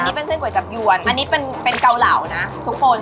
นี่เป็นเส้นก๋วยจับยวนอันนี้เป็นเกาเหล่านะทุกคน